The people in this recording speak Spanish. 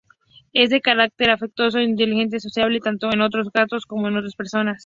Es de carácter afectuoso, inteligente, sociable, tanto con otros gatos como con las personas.